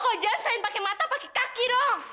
ih lo kok jalan selain pakai mata pakai kaki dong